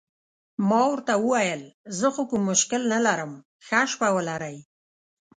ما ورته وویل: زه خو کوم مشکل نه لرم، ښه شپه ولرئ.